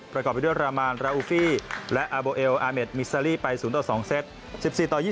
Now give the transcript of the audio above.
ประกอบไปด้วยรามานราอุฟี่และอาโบเอลอาเมดมิซาลีไป๐ต่อ๒เซต๑๔ต่อ๒